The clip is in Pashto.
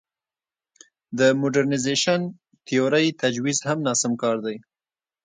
د موډرنیزېشن تیورۍ تجویز هم ناسم کار دی.